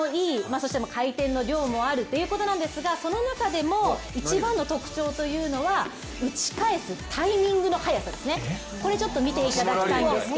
そして回転の量もあるということなんですが、その中でも一番の特徴というのは打ち返すタイミングの速さですね。